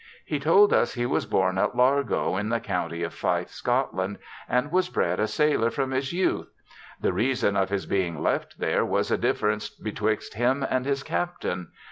He told us he was bom at Largo in the county of Fife, Scotland, and was bred a sailor from his youth. The reason of his being left here was a difference betwixt him and his captain.